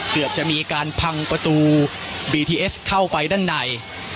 เกือบจะมีการพังประตูบีทีเอสเข้าไปด้านใน